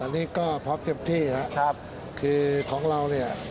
ตอนนี้พร้อมเจ็บที่เพราะว่าของเรา